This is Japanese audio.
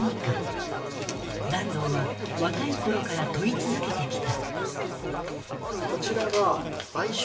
團藤は若い頃から問い続けてきた。